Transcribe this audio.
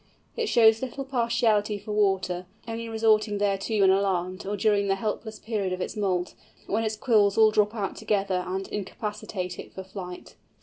It shows little partiality for water, only resorting thereto when alarmed, or during the helpless period of its moult, when its quills all drop out together and incapacitate it for flight.